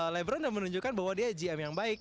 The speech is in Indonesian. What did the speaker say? lebron yang menunjukkan bahwa dia gm yang baik